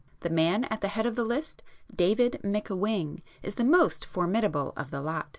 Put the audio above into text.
The man at the head of the list, David McWhing, is the most formidable of the lot.